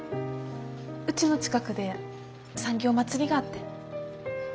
うちの近くで産業まつりがあって。